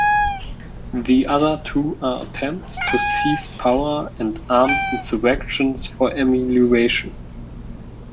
The other two are attempts to seize power and armed insurrections for amelioration.